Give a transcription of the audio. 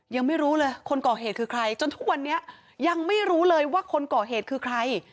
ยังไม่รู้เลยคนก่อเหตุคือใครจนทุกวันนี้ยังไม่รู้เลยว่าคนก่อเหตุคือใคร